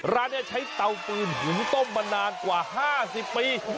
ร้านนี้ใช้เตาฟืนหุงต้มมานานกว่า๕๐ปี